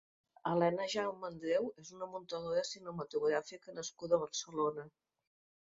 Elena Jaumandreu és una muntadora cinematogràfica nascuda a Barcelona.